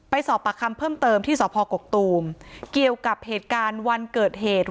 สอบปากคำเพิ่มเติมที่สพกกตูมเกี่ยวกับเหตุการณ์วันเกิดเหตุ